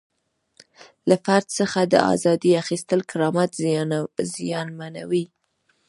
له فرد څخه د ازادۍ اخیستل کرامت زیانمنوي.